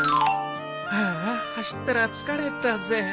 はーあ走ったら疲れたぜ。